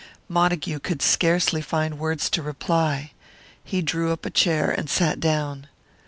Montague could scarcely find words to reply. He drew up a chair and sat down.